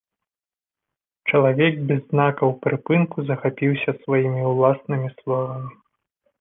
Чалавек без знакаў прыпынку захапіўся сваімі ўласнымі словамі.